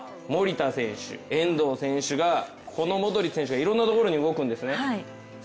守田選手、遠藤選手が、このモドリッチ選手がいろんなところに動くんですね。